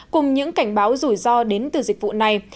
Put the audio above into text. cùng những cảnh báo rủi ro đến từ dịch vụ này